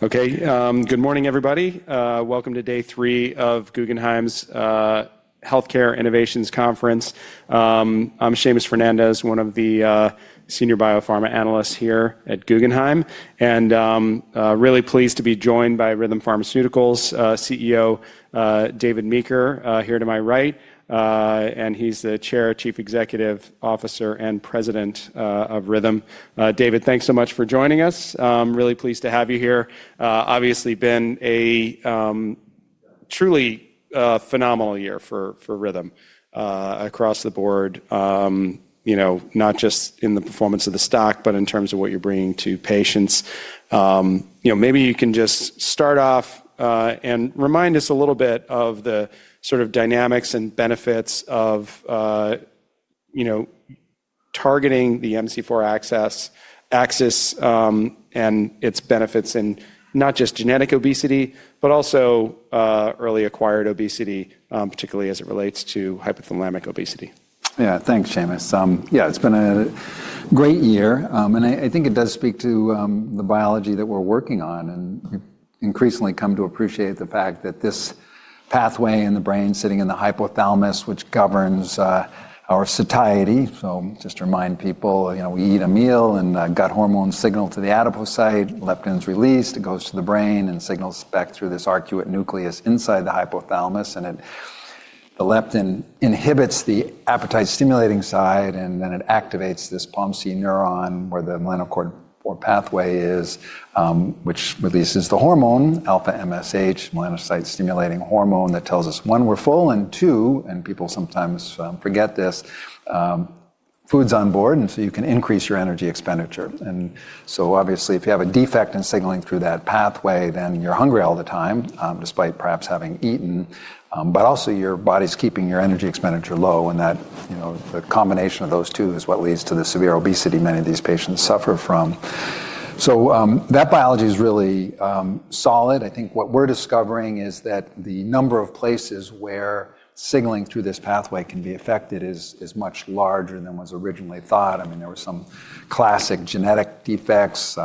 Okay, good morning, everybody. Welcome to day three of Guggenheim's Healthcare Innovations Conference. I'm Seamus Fernandez, one of the Senior Biopharma Analysts here at Guggenheim, and really pleased to be joined by Rhythm Pharmaceuticals CEO David Meeker here to my right, and he's the Chair, Chief Executive Officer, and President of Rhythm. David, thanks so much for joining us. Really pleased to have you here. Obviously been a truly phenomenal year for Rhythm across the board, you know, not just in the performance of the stock, but in terms of what you're bringing to patients. You know, maybe you can just start off and remind us a little bit of the sort of dynamics and benefits of, you know, targeting the MC4 access, and its benefits in not just genetic obesity, but also early acquired obesity, particularly as it relates to Hypothalamic obesity. Yeah, thanks, Seamus. Yeah, it's been a great year. I think it does speak to the biology that we're working on, and we've increasingly come to appreciate the fact that this pathway in the brain sitting in the hypothalamus, which governs our satiety. Just to remind people, you know, we eat a meal and gut hormones signal to the adipocyte, leptin's released, it goes to the brain and signals back through this arcuate nucleus inside the hypothalamus, and it, the leptin inhibits the appetite-stimulating side, and then it activates this POMC neuron where the melanocortin pathway is, which releases the hormone, alpha-MSH, melanocyte-stimulating hormone that tells us, one, we're full, and two, and people sometimes forget this, food's on board, and so you can increase your energy expenditure. If you have a defect in signaling through that pathway, then you're hungry all the time, despite perhaps having eaten, but also your body's keeping your energy expenditure low. The combination of those two is what leads to the severe obesity many of these patients suffer from. That biology is really solid. I think what we're discovering is that the number of places where signaling through this pathway can be affected is much larger than was originally thought. I mean, there were some classic genetic defects,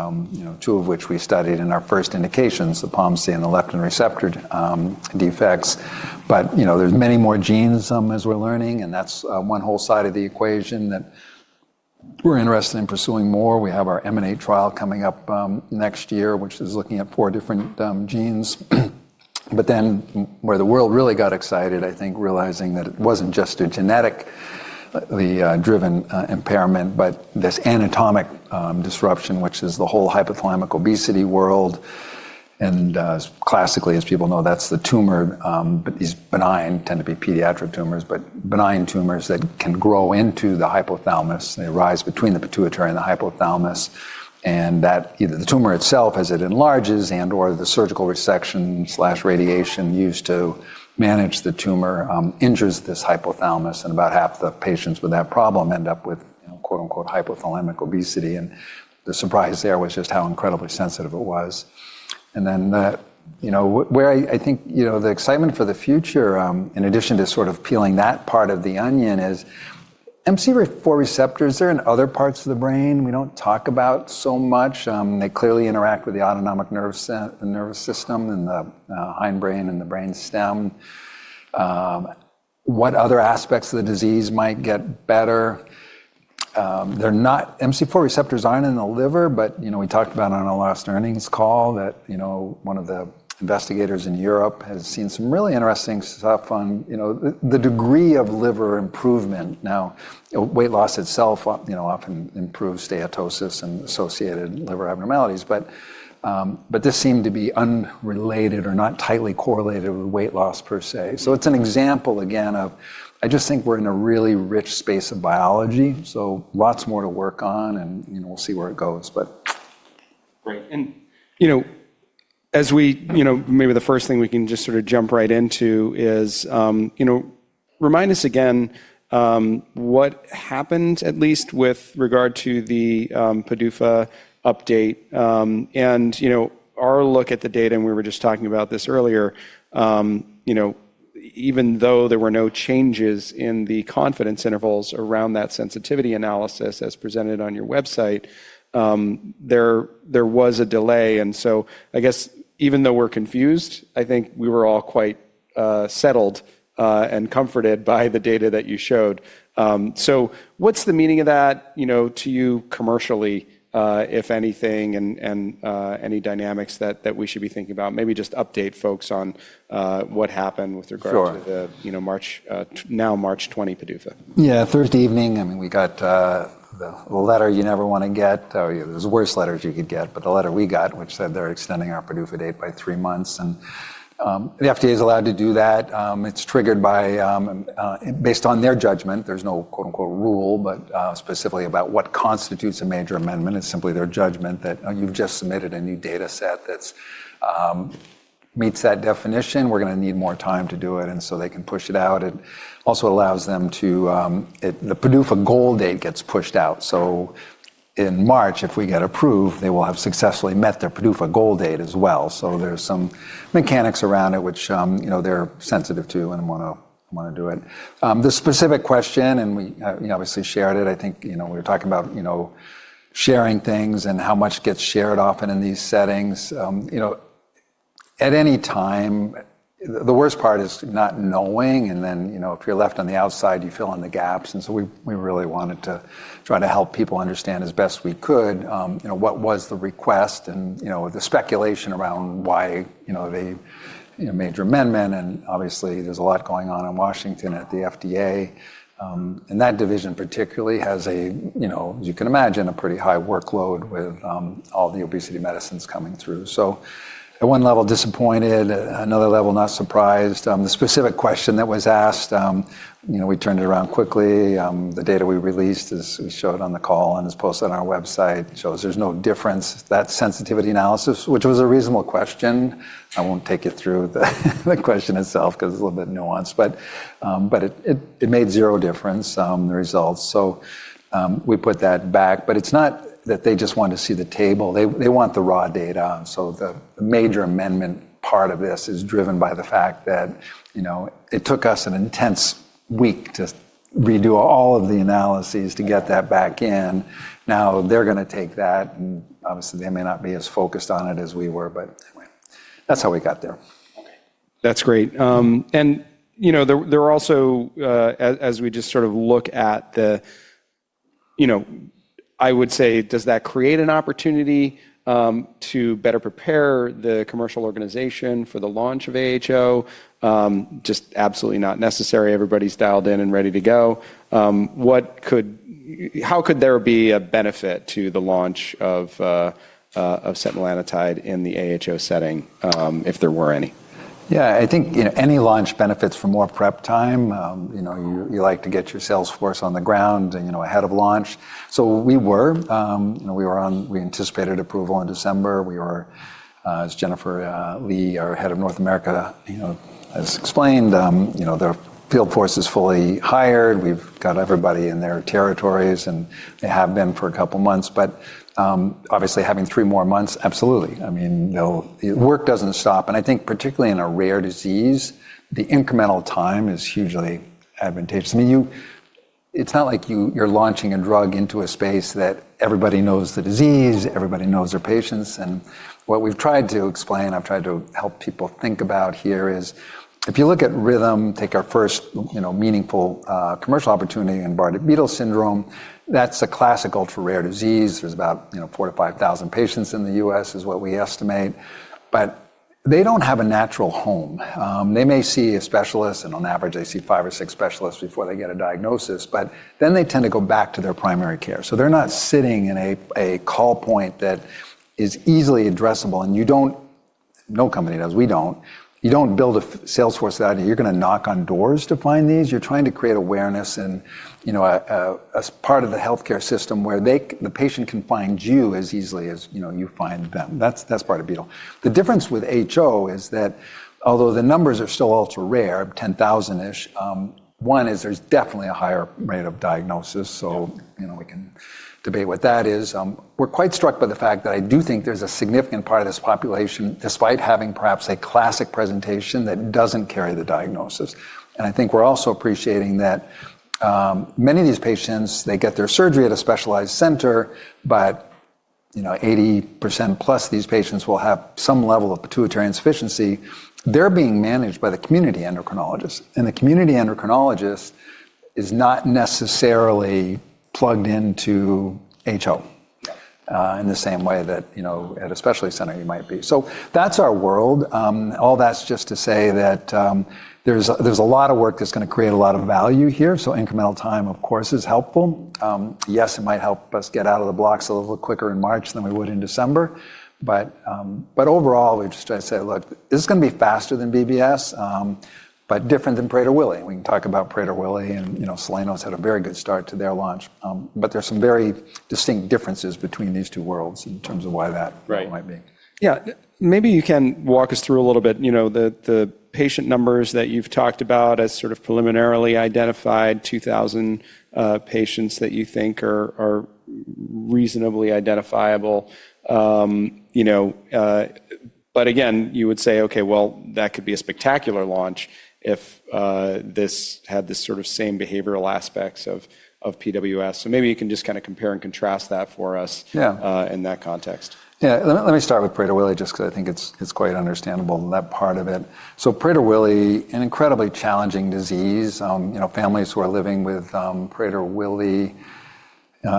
two of which we studied in our first indications, the POMC and the leptin receptor defects, but there's many more genes, as we're learning, and that's one whole side of the equation that we're interested in pursuing more. We have our MNA trial coming up next year, which is looking at four different genes. Where the world really got excited, I think, realizing that it was not just a genetic, the driven impairment, but this anatomic disruption, which is the whole hypothalamic obesity world. Classically, as people know, that is the tumor, but these benign tend to be pediatric tumors, but benign tumors that can grow into the hypothalamus. They rise between the pituitary and the hypothalamus, and that either the tumor itself, as it enlarges, and/or the surgical resection slash radiation used to manage the tumor, injures this hypothalamus, and about half the patients with that problem end up with, you know, quote unquote hypothalamic obesity. The surprise there was just how incredibly sensitive it was. You know, where I think, you know, the excitement for the future, in addition to sort of peeling that part of the onion, is MC4 receptors, they're in other parts of the brain. We do not talk about so much. They clearly interact with the autonomic nervous system, nervous system, and the hindbrain and the brainstem. What other aspects of the disease might get better? They're not, MC4 receptors are not in the liver, but, you know, we talked about on our last earnings call that, you know, one of the investigators in Europe has seen some really interesting stuff on, you know, the degree of liver improvement. Now, weight loss itself, you know, often improves steatosis and associated liver abnormalities, but this seemed to be unrelated or not tightly correlated with weight loss per se. It's an example again of, I just think we're in a really rich space of biology, so lots more to work on and, you know, we'll see where it goes. Right. And, you know, as we, you know, maybe the first thing we can just sort of jump right into is, you know, remind us again, what happened at least with regard to the PDUFA update. And, you know, our look at the data, and we were just talking about this earlier, you know, even though there were no changes in the confidence intervals around that sensitivity analysis as presented on your website, there was a delay. I guess even though we're confused, I think we were all quite settled, and comforted by the data that you showed. So what's the meaning of that, you know, to you commercially, if anything, and any dynamics that we should be thinking about? Maybe just update folks on what happened with regard to the, you know, March, now March 20 PDUFA. Yeah, first evening, I mean, we got the letter you never want to get, or it was the worst letters you could get, but the letter we got, which said they're extending our PDUFA date by three months, and the FDA is allowed to do that. It's triggered by, based on their judgment, there's no quote unquote rule, but specifically about what constitutes a major amendment, it's simply their judgment that you've just submitted a new data set that meets that definition. We're going to need more time to do it, and they can push it out. It also allows them to, the PDUFA goal date gets pushed out. In March, if we get approved, they will have successfully met their PDUFA goal date as well. There's some mechanics around it, which, you know, they're sensitive to and want to do it. The specific question, and we, you obviously shared it, I think, you know, we were talking about, you know, sharing things and how much gets shared often in these settings. You know, at any time, the worst part is not knowing, and then, you know, if you're left on the outside, you fill in the gaps. And so we really wanted to try to help people understand as best we could, you know, what was the request and, you know, the speculation around why, you know, they, you know, major amendment, and obviously there's a lot going on in Washington at the FDA. And that division particularly has a, you know, as you can imagine, a pretty high workload with all the obesity medicines coming through. At one level, disappointed, at another level, not surprised. The specific question that was asked, you know, we turned it around quickly. The data we released is, we show it on the call and is posted on our website, shows there's no difference. That sensitivity analysis, which was a reasonable question, I won't take it through the, the question itself because it's a little bit nuanced, but it made zero difference, the results. We put that back, but it's not that they just want to see the table. They want the raw data. The major amendment part of this is driven by the fact that, you know, it took us an intense week to redo all of the analyses to get that back in. Now they're going to take that, and obviously they may not be as focused on it as we were, but that's how we got there. That's great. And, you know, there are also, as we just sort of look at the, you know, I would say, does that create an opportunity to better prepare the commercial organization for the launch of AHO? Just absolutely not necessary. Everybody's dialed in and ready to go. What could, how could there be a benefit to the launch of setmelanotide in the AHO setting, if there were any? Yeah, I think, you know, any launch benefits from more prep time. You know, you like to get your sales force on the ground, you know, ahead of launch. We were, you know, we were on, we anticipated approval in December. We were, as Jennifer Lee, our Head of North America, you know, has explained, you know, the field force is fully hired. We've got everybody in their territories and they have been for a couple of months, but obviously having three more months, absolutely. I mean, you know, work does not stop. I think particularly in a rare disease, the incremental time is hugely advantageous. I mean, you, it is not like you are launching a drug into a space that everybody knows the disease, everybody knows their patients. What we've tried to explain, I've tried to help people think about here is if you look at Rhythm, take our first, you know, meaningful, commercial opportunity in Bardet-Biedl syndrome, that's a classic ultra rare disease. There's about, you know, four to five thousand patients in the U.S. is what we estimate, but they don't have a natural home. They may see a specialist, and on average, they see five or six specialists before they get a diagnosis, but then they tend to go back to their primary care. They're not sitting in a call point that is easily addressable, and you don't, no company does, we don't, you don't build a sales force out of, you're going to knock on doors to find these. You're trying to create awareness and, you know, a part of the healthcare system where the patient can find you as easily as you find them. That's part of Biedl. The difference with HO is that although the numbers are still ultra rare, 10,000 ish, one is there's definitely a higher rate of diagnosis. You know, we can debate what that is. We're quite struck by the fact that I do think there's a significant part of this population, despite having perhaps a classic presentation, that doesn't carry the diagnosis. I think we're also appreciating that many of these patients, they get their surgery at a specialized center, but, you know, 80% plus of these patients will have some level of pituitary insufficiency. They're being managed by the community endocrinologist, and the community endocrinologist is not necessarily plugged into HO, in the same way that, you know, at a specialty center you might be. That is our world. All that is just to say that there is a lot of work that is going to create a lot of value here. Incremental time, of course, is helpful. Yes, it might help us get out of the blocks a little quicker in March than we would in December, but overall, we just try to say, look, this is going to be faster than BBS, but different than Prader-Willi. We can talk about Prader-Willi and, you know, Soleno had a very good start to their launch, but there are some very distinct differences between these two worlds in terms of why that might be. Right. Yeah, maybe you can walk us through a little bit, you know, the patient numbers that you've talked about as sort of preliminarily identified, 2,000 patients that you think are reasonably identifiable, you know, but again, you would say, okay, that could be a spectacular launch if this had this sort of same behavioral aspects of PWS. Maybe you can just kind of compare and contrast that for us, in that context. Yeah. Let me start with Prader-Willi just because I think it's, it's quite understandable that part of it. So Prader-Willi, an incredibly challenging disease, you know, families who are living with Prader-Willi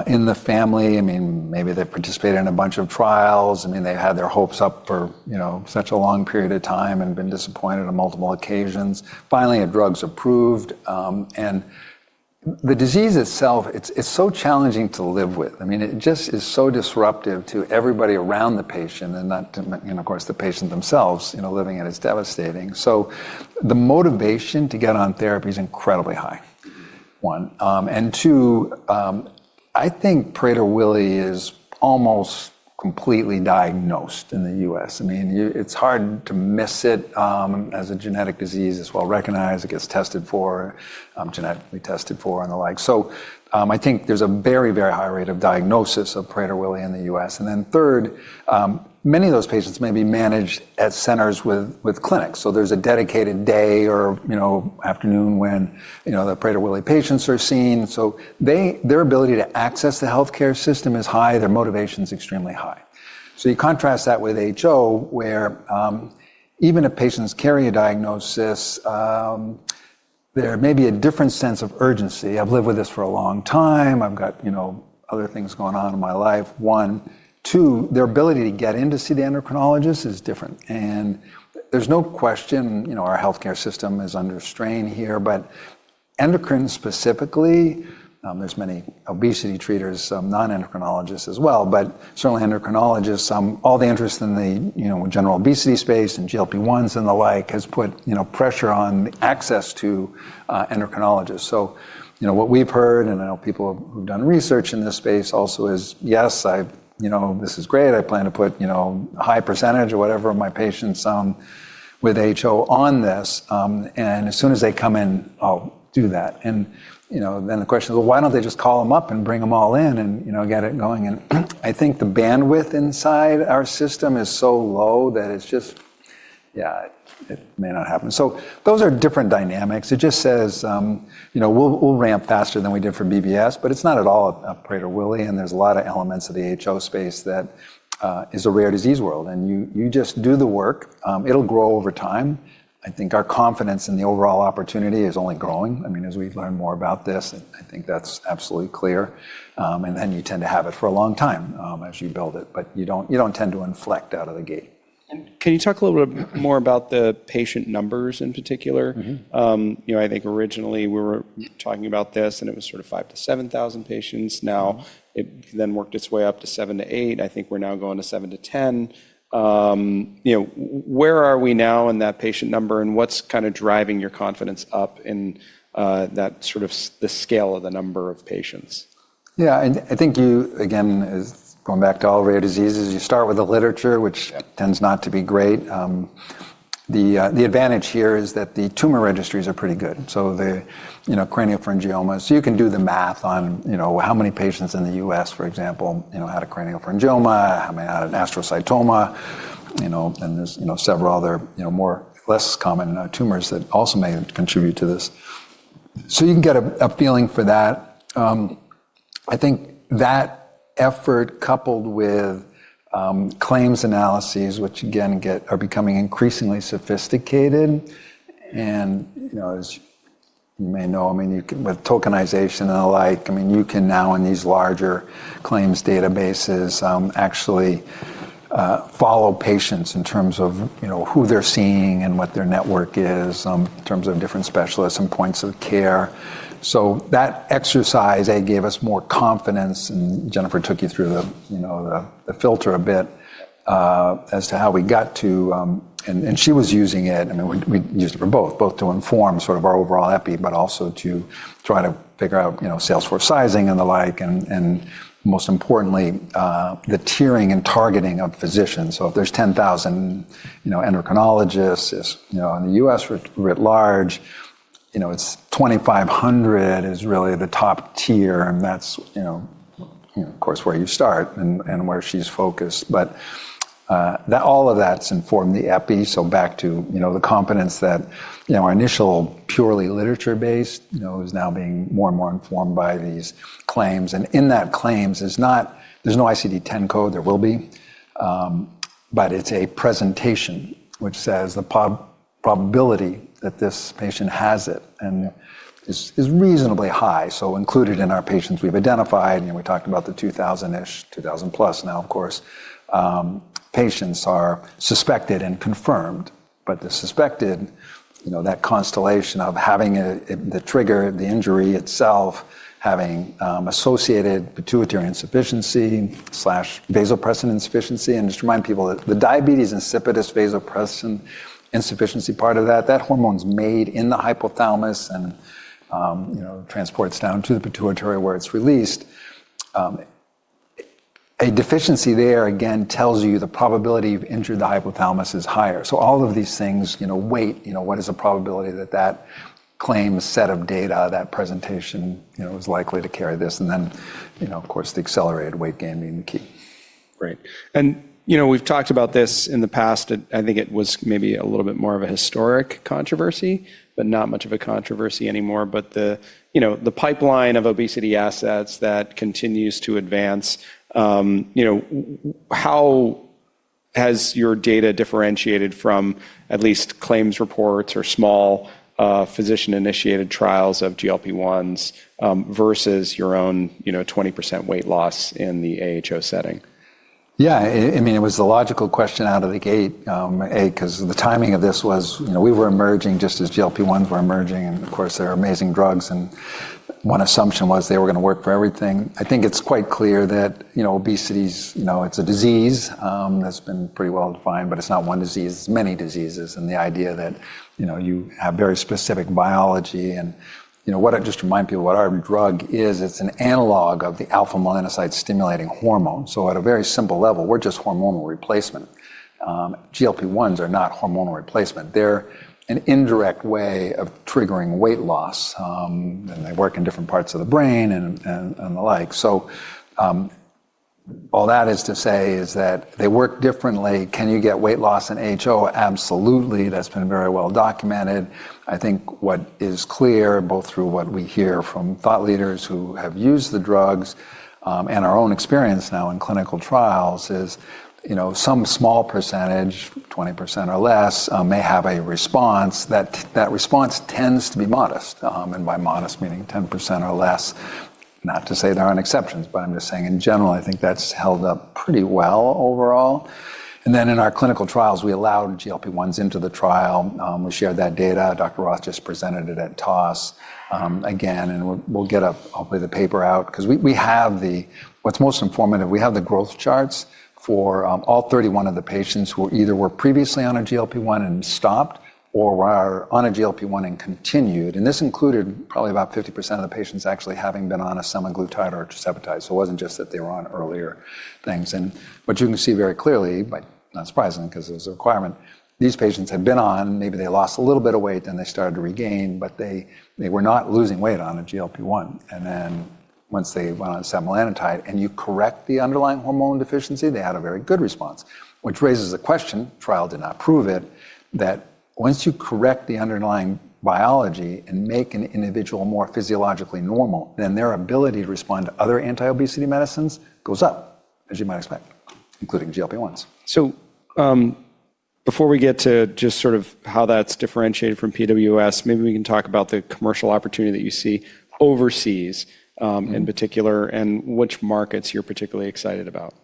in the family, I mean, maybe they've participated in a bunch of trials. I mean, they've had their hopes up for, you know, such a long period of time and been disappointed on multiple occasions. Finally, a drug's approved, and the disease itself, it's, it's so challenging to live with. I mean, it just is so disruptive to everybody around the patient and not to, you know, of course, the patient themselves, you know, living in is devastating. The motivation to get on therapy is incredibly high. One. And two, I think Prader-Willi is almost completely diagnosed in the U.S. I mean, it's hard to miss it, as a genetic disease is well recognized. It gets tested for, genetically tested for and the like. I think there's a very, very high rate of diagnosis of Prader-Willi in the U.S. Third, many of those patients may be managed at centers with clinics. There's a dedicated day or, you know, afternoon when, you know, the Prader-Willi patients are seen. Their ability to access the healthcare system is high. Their motivation is extremely high. You contrast that with HO where, even if patients carry a diagnosis, there may be a different sense of urgency. I've lived with this for a long time. I've got, you know, other things going on in my life. One, two, their ability to get in to see the endocrinologist is different. There is no question, you know, our healthcare system is under strain here, but endocrine specifically, there are many obesity treaters, non-endocrinologists as well, but certainly endocrinologists. All the interest in the, you know, general obesity space and GLP-1s and the like has put, you know, pressure on access to endocrinologists. What we have heard, and I know people who have done research in this space also, is yes, I, you know, this is great. I plan to put, you know, a high percentage or whatever of my patients with HO on this, and as soon as they come in, I will do that. You know, then the question is, why do they not just call them up and bring them all in and, you know, get it going? I think the bandwidth inside our system is so low that it is just, yeah, it may not happen. Those are different dynamics. It just says, you know, we'll ramp faster than we did for BBS, but it's not at all a Prader-Willi. There are a lot of elements of the HO space that is a rare disease world. You just do the work. It'll grow over time. I think our confidence in the overall opportunity is only growing. I mean, as we've learned more about this, I think that's absolutely clear. You tend to have it for a long time as you build it, but you don't tend to inflect out of the gate. Can you talk a little bit more about the patient numbers in particular? You know, I think originally we were talking about this and it was sort of five to seven thousand patients. Now it then worked its way up to seven to eight. I think we're now going to seven to ten. You know, where are we now in that patient number and what's kind of driving your confidence up in, that sort of the scale of the number of patients? Yeah, and I think you, again, is going back to all rare diseases, you start with the literature, which tends not to be great. The advantage here is that the tumor registries are pretty good. So the, you know, craniopharyngiomas, you can do the math on, you know, how many patients in the U.S., for example, you know, had a craniopharyngioma, how many had an astrocytoma, you know, and there's, you know, several other, you know, more less common tumors that also may contribute to this. You can get a feeling for that. I think that effort coupled with claims analyses, which again are becoming increasingly sophisticated. You know, as you may know, I mean, you can with tokenization and the like, you can now in these larger claims databases actually follow patients in terms of, you know, who they're seeing and what their network is, in terms of different specialists and points of care. That exercise gave us more confidence and Jennifer took you through the filter a bit, as to how we got to, and she was using it and we used it for both to inform sort of our overall EPI, but also to try to figure out, you know, sales force sizing and the like. Most importantly, the tiering and targeting of physicians. If there's 10,000 endocrinologists, it's, you know, in the U.S. writ large, it's 2,500 is really the top tier. That's, you know, you know, of course where you start and where she's focused. That, all of that's informed the EPI. Back to, you know, the confidence that, you know, our initial purely literature-based, you know, is now being more and more informed by these claims. In that, claims is not, there's no ICD-10 code. There will be, but it's a presentation which says the probability that this patient has it and is, is reasonably high. Included in our patients we've identified, you know, we talked about the 2,000-ish, 2,000 plus now, of course, patients are suspected and confirmed, but the suspected, you know, that constellation of having the trigger, the injury itself, having associated pituitary insufficiency slash vasopressin insufficiency. Just remind people that the diabetes insipidus, vasopressin insufficiency part of that, that hormone's made in the hypothalamus and, you know, transports down to the pituitary where it's released. A deficiency there again tells you the probability of injury to the hypothalamus is higher. All of these things, you know, weight, you know, what is the probability that that claim set of data, that presentation, you know, is likely to carry this. And then, you know, of course, the accelerated weight gain being the key. Right. And, you know, we've talked about this in the past. I think it was maybe a little bit more of a historic controversy, but not much of a controversy anymore. The, you know, the pipeline of obesity assets that continues to advance, you know, how has your data differentiated from at least claims reports or small, physician-initiated trials of GLP-1s, versus your own, you know, 20% weight loss in the AHO setting? Yeah, I mean, it was the logical question out of the gate, A, because the timing of this was, you know, we were emerging just as GLP-1s were emerging. And of course, there are amazing drugs and one assumption was they were going to work for everything. I think it's quite clear that, you know, obesity is, you know, it's a disease, that's been pretty well defined, but it's not one disease, it's many diseases. The idea that, you know, you have very specific biology and, you know, what I just remind people, what our drug is, it's an analog of the alpha-MSH, alpha-melanocyte-stimulating hormone. At a very simple level, we're just hormonal replacement. GLP-1s are not hormonal replacement. They're an indirect way of triggering weight loss. They work in different parts of the brain and, and, and the like. All that is to say is that they work differently. Can you get weight loss in HO? Absolutely. That has been very well documented. I think what is clear both through what we hear from thought leaders who have used the drugs, and our own experience now in clinical trials is, you know, some small percentage, 20% or less, may have a response. That response tends to be modest, and by modest, meaning 10% or less, not to say there are not exceptions, but I am just saying in general, I think that has held up pretty well overall. In our clinical trials, we allowed GLP-1s into the trial. We shared that data. Dr. Roth just presented it at TOSS again, and we'll get a, hopefully the paper out because we have the, what's most informative, we have the growth charts for all 31 of the patients who either were previously on a GLP-1 and stopped or were on a GLP-1 and continued. This included probably about 50% of the patients actually having been on a semaglutide or a tirzepatide. It was not just that they were on earlier things. What you can see very clearly, but not surprising because it was a requirement, these patients had been on, maybe they lost a little bit of weight and they started to regain, but they were not losing weight on a GLP-1. Once they went on setmelanotide and you correct the underlying hormone deficiency, they had a very good response, which raises the question, trial did not prove it, that once you correct the underlying biology and make an individual more physiologically normal, then their ability to respond to other anti-obesity medicines goes up, as you might expect, including GLP-1s. Before we get to just sort of how that's differentiated from PWS, maybe we can talk about the commercial opportunity that you see overseas, in particular, and which markets you're particularly excited about.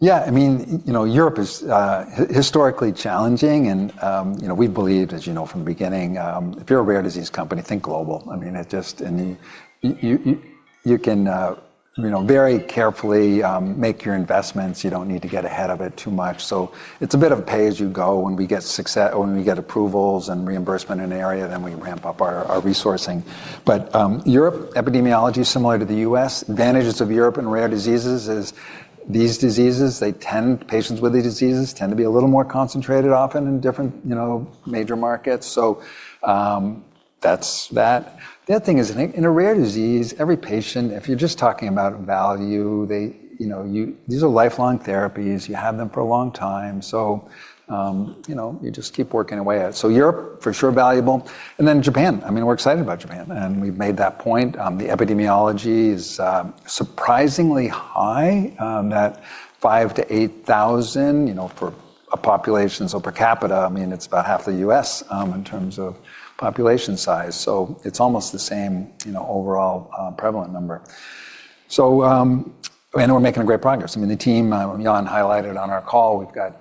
Yeah, I mean, you know, Europe is historically challenging and, you know, we believe, as you know, from the beginning, if you're a rare disease company, think global. I mean, it just, and you can, you know, very carefully, make your investments. You don't need to get ahead of it too much. It's a bit of a pay as you go. When we get success, when we get approvals and reimbursement in an area, then we ramp up our resourcing. Europe, epidemiology is similar to the U.S. Advantages of Europe in rare diseases is these diseases, they tend, patients with these diseases tend to be a little more concentrated often in different, you know, major markets. That's that. The other thing is in a rare disease, every patient, if you're just talking about value, they, you know, these are lifelong therapies. You have them for a long time. You know, you just keep working away at it. Europe for sure valuable. Then Japan, I mean, we're excited about Japan and we've made that point. The epidemiology is surprisingly high, that 5,000-8,000, you know, for a population, so per capita, I mean, it's about half the U.S. in terms of population size. It's almost the same, you know, overall, prevalent number. We're making great progress. I mean, the team, Yann highlighted on our call, we've got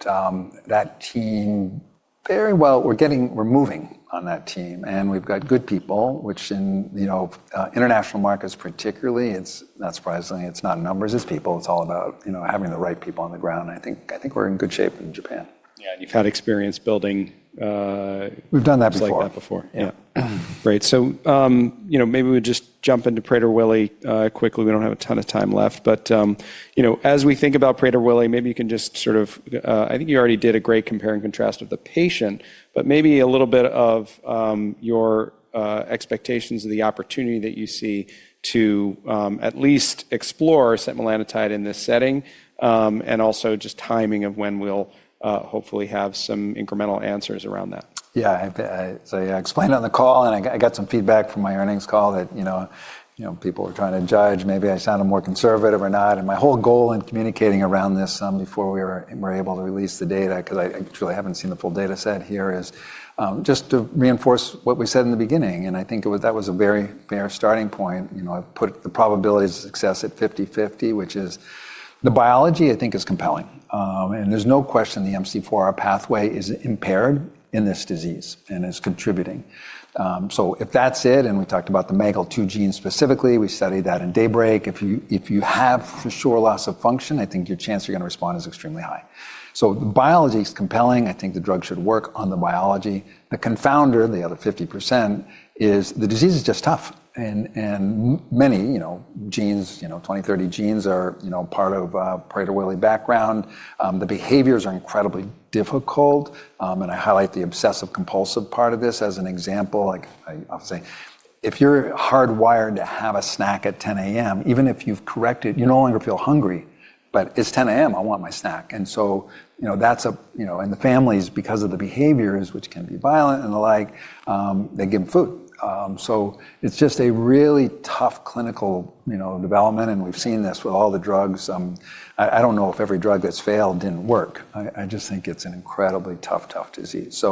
that team very well, we're getting, we're moving on that team and we've got good people, which in, you know, international markets particularly, it's not surprising, it's not numbers, it's people. It's all about, you know, having the right people on the ground. I think, I think we're in good shape in Japan. Yeah, you've had experience building, We've done that before. It's like that before. Yeah. Great. You know, maybe we just jump into Prader-Willi quickly. We do not have a ton of time left, but, you know, as we think about Prader-Willi, maybe you can just sort of, I think you already did a great compare and contrast of the patient, but maybe a little bit of your expectations of the opportunity that you see to at least explore setmelanotide in this setting, and also just timing of when we will hopefully have some incremental answers around that. Yeah, I, so I explained on the call and I got some feedback from my earnings call that, you know, people were trying to judge, maybe I sounded more conservative or not. My whole goal in communicating around this, before we were able to release the data, because I actually haven't seen the full data set here, is just to reinforce what we said in the beginning. I think it was, that was a very fair starting point. I put the probability of success at 50-50, which is the biology, I think is compelling. There's no question the MC4R pathway is impaired in this disease and is contributing. If that's it, and we talked about the MAGEL2 gene specifically, we studied that in Daybreak. If you have for sure loss of function, I think your chance you're going to respond is extremely high. The biology is compelling. I think the drug should work on the biology. The confounder, the other 50%, is the disease is just tough. And many, you know, genes, you know, 20, 30 genes are, you know, part of a Prader-Willi background. The behaviors are incredibly difficult. I highlight the obsessive-compulsive part of this as an example. Like I'll say, if you're hardwired to have a snack at 10:00 A.M., even if you've corrected it, you no longer feel hungry, but it's 10:00 A.M., I want my snack. That's a, you know, and the families, because of the behaviors, which can be violent and the like, they give them food. It's just a really tough clinical, you know, development. We've seen this with all the drugs. I don't know if every drug has failed, didn't work. I just think it's an incredibly tough, tough disease.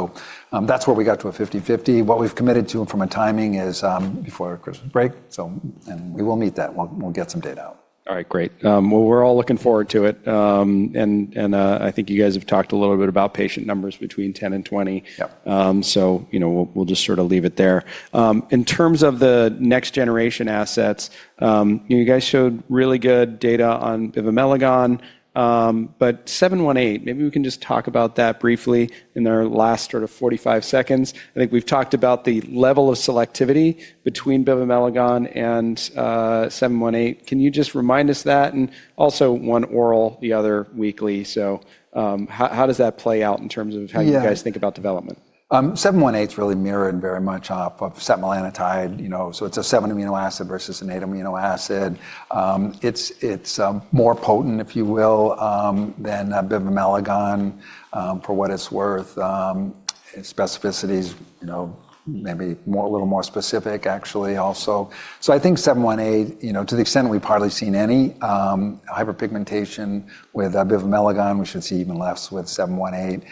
That's where we got to a 50-50. What we've committed to from a timing is, before Christmas break. We will meet that. We'll get some data out. All right, great. We are all looking forward to it. And, and, I think you guys have talked a little bit about patient numbers between 10 and 20. So, you know, we will just sort of leave it there. In terms of the next generation assets, you know, you guys showed really good data on Bivamelagon, but 718, maybe we can just talk about that briefly in our last sort of 45 seconds. I think we have talked about the level of selectivity between Bivamelagon and 718. Can you just remind us that? And also one oral, the other weekly. So, how does that play out in terms of how you guys think about development? 718 is really mirrored very much off of setmelanotide, you know, so it's a seven amino acid versus an eight amino acid. It's, it's more potent, if you will, than Bivamelagon, for what it's worth. Its specificities, you know, maybe more, a little more specific actually also. I think 718, you know, to the extent we've hardly seen any hyperpigmentation with Bivamelagon, we should see even less with 718.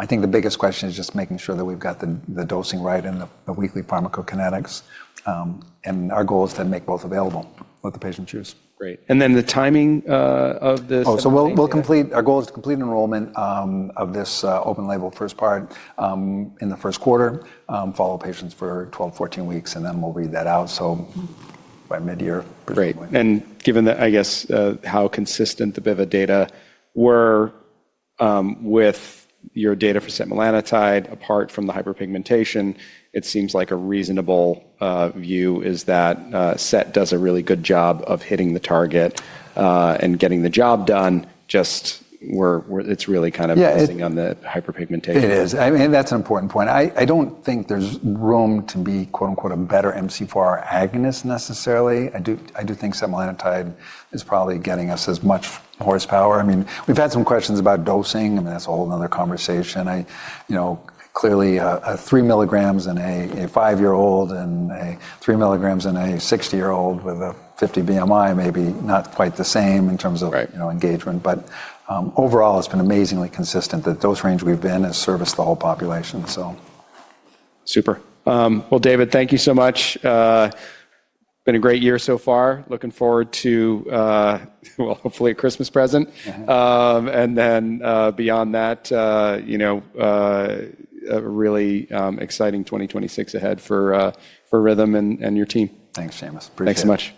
I think the biggest question is just making sure that we've got the dosing right and the weekly pharmacokinetics. Our goal is to make both available, what the patient chooses. Great. And then the timing of this. Oh, we'll complete, our goal is to complete enrollment of this open label first part in the first quarter, follow patients for 12-14 weeks, and then we'll read that out. By mid-year. Great. Given that, I guess, how consistent the Bivamelagon data were with your data for setmelanotide, apart from the hyperpigmentation, it seems like a reasonable view is that set does a really good job of hitting the target and getting the job done. Just where it's really kind of missing on the hyperpigmentation. It is. I mean, that's an important point. I don't think there's room to be quote unquote a better MC4R agonist necessarily. I do think setmelanotide is probably getting us as much horsepower. I mean, we've had some questions about dosing and that's a whole nother conversation. I, you know, clearly a three milligrams in a five year old and a three milligrams in a six year old with a 50 BMI, maybe not quite the same in terms of, you know, engagement, but overall it's been amazingly consistent that those range we've been has serviced the whole population. Super. David, thank you so much. Been a great year so far. Looking forward to, well, hopefully a Christmas present. And then, beyond that, you know, a really exciting 2026 ahead for Rhythm and your team. Thanks, Seamus. Thanks so much.